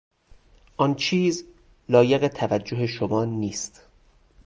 آن چیز لایق توجه شما نیست.